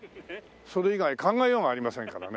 それ以外考えようがありませんからね。